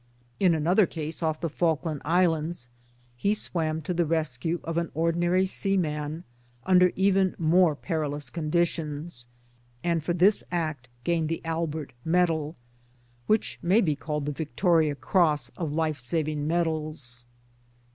In another case off the Falkland Isles he swam to the rescue of an ordinary seaman under even more perilous conditions, and for this act gained the Albert medal which may be called the V.C. of life saving medals.